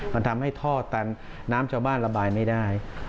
มันทำให้ท่อตันน้ำชาวบ้านระบายไม่ได้